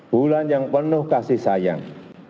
bulan yang penuh kasih sayang